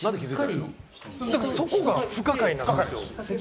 そこが不可解なんですよ。